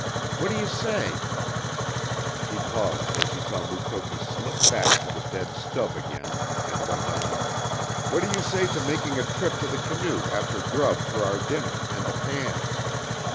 What do you say " He paused as he saw Mukoki slip back to the dead stub again, then went on, "What do you say to making a trip to the canoe after grub for our dinner, and the pans?"